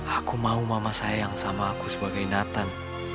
aku mau mama sayang sama aku sebagai nathan